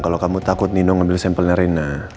kalau kamu takut nino ngambil sampel nerina